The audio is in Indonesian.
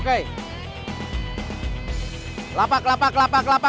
kelapa kelapa kelapa kelapa